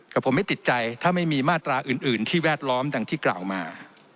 กับผมไม่ติดใจถ้าไม่มีมาตราอื่นที่แวดล้อมดังที่กล่าวมา